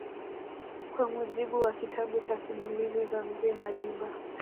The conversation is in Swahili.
Kwa mujibu wa kitabu cha Simulizi za Mzee Madiba